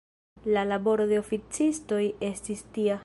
La laboro de oficistoj estis tia.